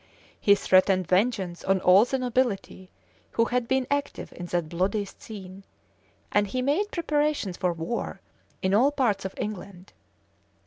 He threatened vengeance on all the nobility who had been active in that bloody scene; and he made preparations for war in all parts of England.